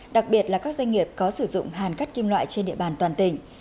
đặc biệt là các doanh nghiệp có sử dụng hàn cắt kim loại trên địa bàn toàn tỉnh